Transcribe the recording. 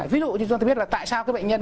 ví dụ như tôi biết là tại sao cái bệnh nhân